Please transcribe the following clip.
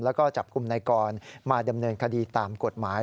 แล้วก็จับกลุ่มนายกรมาดำเนินคดีตามกฎหมาย